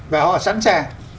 và họ sẵn sàng